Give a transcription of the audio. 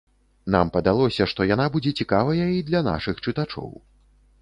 Нам падалося, што яна будзе цікавая і для нашых чытачоў.